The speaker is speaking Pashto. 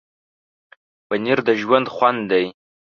پنېر د ژوند خوند دی.